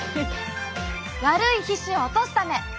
「悪い皮脂を落とすため」。